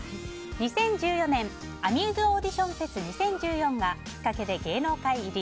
２０１４年、アミューズオーディションフェス２０１４がきっかけで芸能界入り。